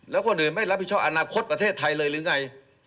แล้วคนอื่นไม่รับผิดชอบอนาคตประเทศไทยเลยหรือไง